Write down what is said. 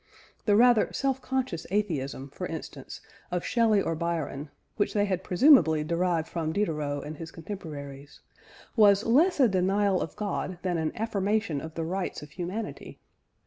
The rather self conscious atheism (for instance) of Shelley or Byron which they had presumably derived from Diderot and his contemporaries was less a denial of God than an affirmation of the rights of humanity.